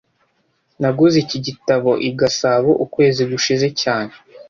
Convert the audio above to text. Naguze iki gitabo i Gasabo ukwezi gushize cyane